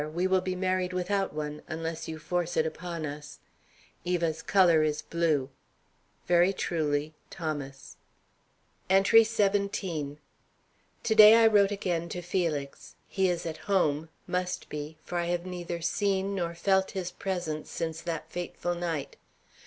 We will be married without one, unless you force it upon us. Eva's color is blue. Very truly, Thomas. ENTRY XVII. To day I wrote again to Felix. He is at home, must be, for I have neither seen nor felt his presence since that fateful night.